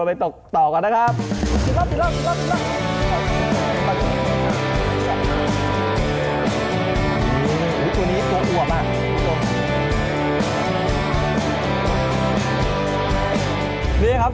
นี้นะครับ